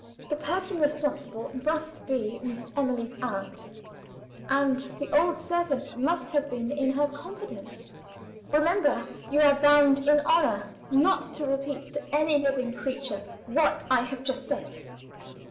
The person responsible must be Miss Emily's aunt and the old servant must have been in her confidence. Remember! You are bound in honor not to repeat to any living creature what I have just said."